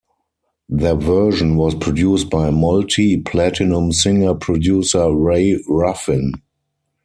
Their version was produced by multi-platinum singer producer Ray Ruffin.